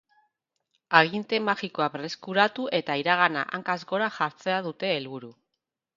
Aginte magikoa berreskuratu eta iragana hankaz gora jartzea dute helburu.